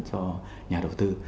cho nhà đầu tư